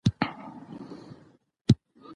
خو کله چې زراعتي انقلاب راغى